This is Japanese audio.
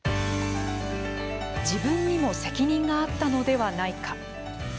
「自分にも責任があったのではないか」